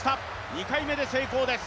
２回目で成功です。